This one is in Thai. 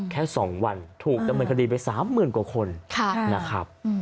แค่๒วันถูกดำเนินคดีไป๓๐๐๐กว่าคนนะครับ